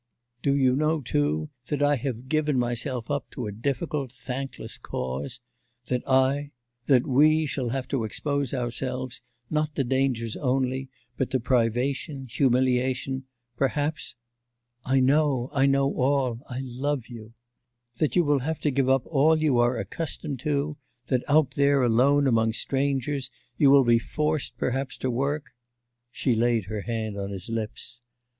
'Do you know, too, that I have given myself up to a difficult, thankless cause, that I... that we shall have to expose ourselves not to dangers only, but to privation, humiliation, perhaps ' 'I know, I know all I love you ' 'That you will have to give up all you are accustomed to, that out there alone among strangers, you will be forced perhaps to work ' She laid her hand on his lips.